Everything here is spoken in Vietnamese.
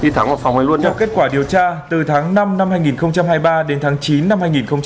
theo kết quả điều tra từ tháng năm năm hai nghìn hai mươi ba đến tháng chín năm hai nghìn hai mươi ba